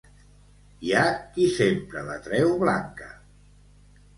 Hi ha qui sempre la treu blanca.